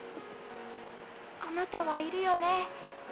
あなたはいるよね？